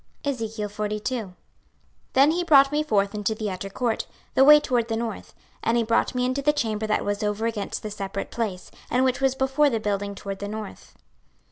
26:042:001 Then he brought me forth into the utter court, the way toward the north: and he brought me into the chamber that was over against the separate place, and which was before the building toward the north.